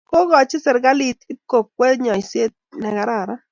Kikokoch serkalit ik ab kokwe nyoiset ne kararan